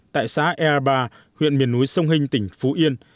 tại xã ea bà huyện miền núi sông hinh tỉnh phú yên